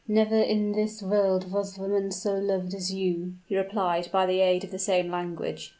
"Never in this world was woman so loved as you," he replied, by the aid of the same language.